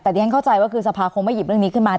แต่ที่ฉันเข้าใจว่าคือสภาคงไม่หยิบเรื่องนี้ขึ้นมา